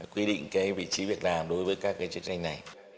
quy định vị trí việt nam đối với các truyền tranh này